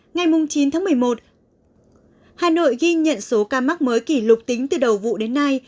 ngày chín tháng một mươi một hà nội ghi nhận số ca mắc mới kỷ lục tính từ đầu vụ đến nay